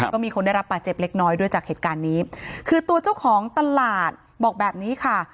ก็มีคนได้รับบาดเจ็บเล็กน้อยด้วยจากเหตุการณ์นี้คือตัวเจ้าของตลาดบอกแบบนี้ค่ะ